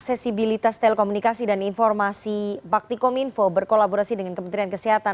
sesi bilitas telekomunikasi dan informasi baktikominfo berkolaborasi dengan kementerian kesehatan